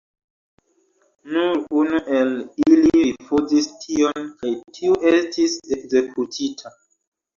Nur unu el ili rifuzis tion kaj tiu estis ekzekutita.